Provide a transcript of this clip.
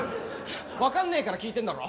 わかんねえから聞いてんだろ。